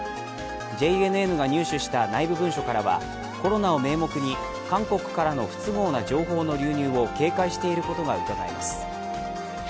ＪＮＮが入手した内部文書からはコロナを名目に韓国からの不都合な情報の流入を警戒していることがうかがえます。